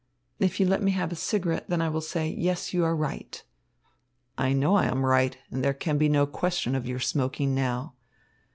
"If you let me have a cigarette, then I will say 'Yes, you are right.'" "I know I am right, and there can be no question of your smoking now."